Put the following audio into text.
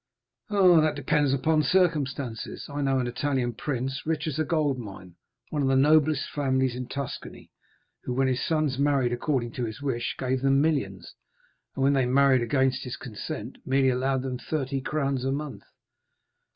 "Oh, that depends upon circumstances. I know an Italian prince, rich as a gold mine, one of the noblest families in Tuscany, who, when his sons married according to his wish, gave them millions; and when they married against his consent, merely allowed them thirty crowns a month.